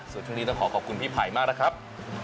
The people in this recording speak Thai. สวัสดีทั้งขอขอบคุณพี่ไผ่มากนะครับ